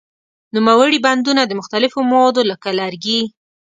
نوموړي بندونه د مختلفو موادو لکه لرګي.